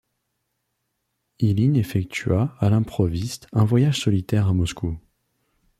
Iline effectua, à l'improviste, un voyage solitaire à Moscou.